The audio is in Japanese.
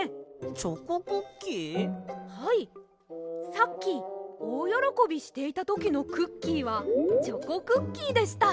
さっきおおよろこびしていたときのクッキーはチョコクッキーでした。